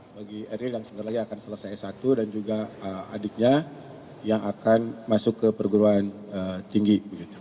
bagi eril yang sebentar lagi akan selesai s satu dan juga adiknya yang akan masuk ke perguruan tinggi